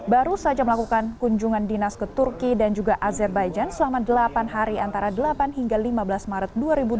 baru saja melakukan kunjungan dinas ke turki dan juga azerbaijan selama delapan hari antara delapan hingga lima belas maret dua ribu dua puluh